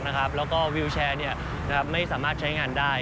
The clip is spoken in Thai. แล้วก็วิวแชร์ไม่สามารถใช้งานได้